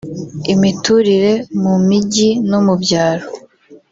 imiturire mu mijyi no mu byaro